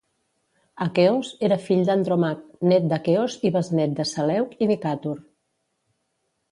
Aqueos era fill d'Andromac, nét d'Aqueos i besnet de Seleuc I Nicàtor.